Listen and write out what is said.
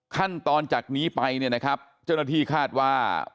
ขั้นตอนจากนี้ไปเนี่ยนะครับเจ้าหน้าที่คาดว่า